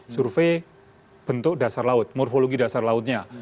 survei bentuk dasar laut morfologi dasar lautnya